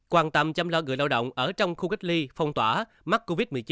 quan tâm chăm lo người lao động ở trong khu cách ly phong tỏa mắc covid một mươi chín